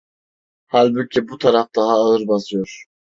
Halbuki bu taraf daha ağır basıyor…